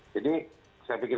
jadi saya pikir